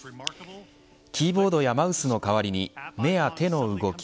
キーボードやマウスの代わりに目や手の動き